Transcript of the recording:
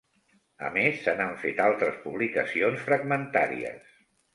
A més, se n'han fet altres publicacions fragmentàries.